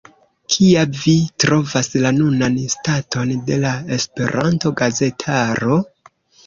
Kia vi trovas la nunan staton de la Esperanto-gazetaro?